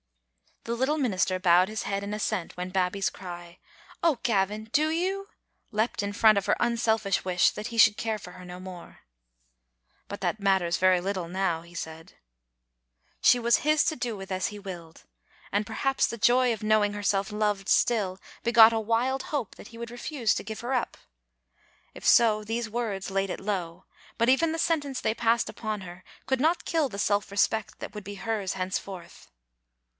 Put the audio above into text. , The little minister bowed his head in assent when Babbie's cry, "Oh, Gavin, do you?" leapt in front of her unselfish wish that he should care for her no more. " But that matters very little now," he said. She was his to do with as he willed ; and, perhaps, the joy of knowing herself loved still, begot a wild hope that he would refuse to give her up. If so, these words laid it low, but even the sentence they passed upon her could not kill the self respect that would be hers hence forth.